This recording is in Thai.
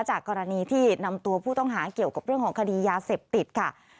จากกรณีที่นำตัวผู้ต้องหาเกี่ยวกับเรื่องของคดียาเสพติดค่ะ